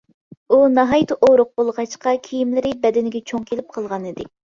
ئۇ ناھايىتى ئۇرۇق بولغاچقا، كىيىملىرى بەدىنىگە چوڭ كېلىپ قالغانىدى.